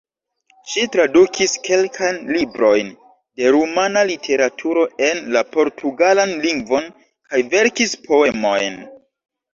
Ŝi tradukis kelkajn librojn de rumana literaturo en la portugalan lingvon kaj verkis poemojn.